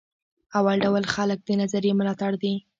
اول ډول خلک د نظریې ملاتړ دي.